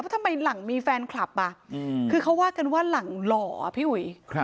ทำไมหลังมีแฟนคลับคือเขาว่ากันว่าหลังหล่อพี่อุ๋ย